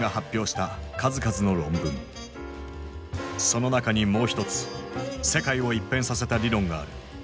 その中にもう一つ世界を一変させた理論がある。